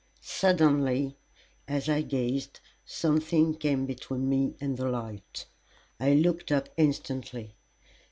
Suddenly, as I gazed, something came between me and the light. I looked up instantly.